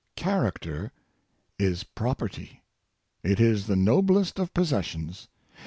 Character is property. It is the noblest of posses sions.